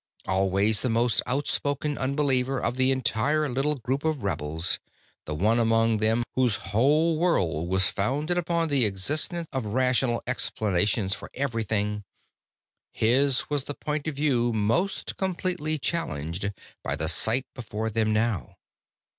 Always the most outspoken unbeliever of the entire little group of rebels, the one among them whose whole world was founded upon the existence of rational explanations for everything, his was the point of view most completely challenged by the sight before them now.